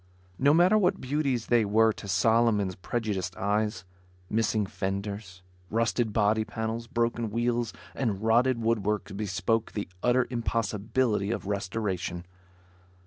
No matter what beauties they were to Solomon's prejudiced eyes; missing fenders, rusted body panels, broken wheels and rotted woodwork bespoke the utter impossibility of restoration.